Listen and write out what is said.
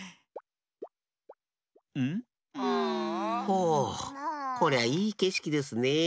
ほうこりゃいいけしきですねえ。